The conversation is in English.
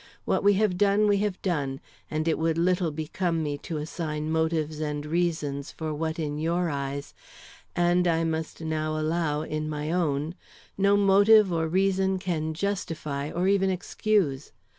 What we have done we have done, and it would little become me to assign motives and reasons for what in your eyes and, I must now allow, in my own no motive or reason can justify or even excuse.